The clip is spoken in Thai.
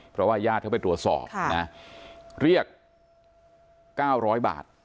เพราะว่าญาติเขาไปตรวจสอบนะเรียก๙๐๐บาท